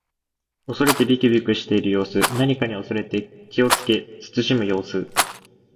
恐れてびくびくしている様子。何かに恐れて気をつけ慎む様子。